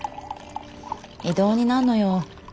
異動になんのよ。